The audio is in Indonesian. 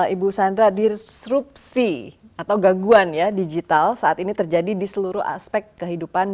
ibu sandra disrupsi atau gaguan digital saat ini terjadi di seluruh aspek kehidupan kita